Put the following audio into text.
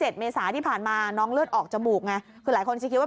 ใช่ค่ะอย่างเมื่อวันที่๗เมษาย